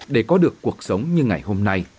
để có được cuộc sống như ngày hôm nay